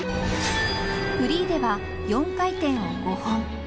フリーでは４回転を５本。